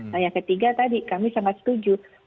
nah yang ketiga tadi kami sangat setuju